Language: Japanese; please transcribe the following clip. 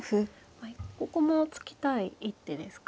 はいここも突きたい一手ですか。